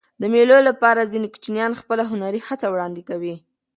د مېلو له پاره ځيني کوچنيان خپله هنري هڅه وړاندي کوي.